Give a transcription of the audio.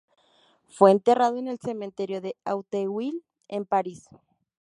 Fue enterrado en el Cementerio de Auteuil, en París.